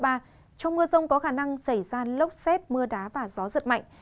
trong mưa rông có khả năng xảy ra lốc xét mưa đá và gió giật mạnh